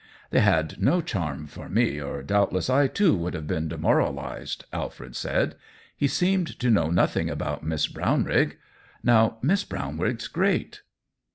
"They had no charm for me, or doubt less I, too, should have been demoralized," Alfred said. "He seemed to know noth ing about Miss Brownrigg. Now Miss Brownrigg's great."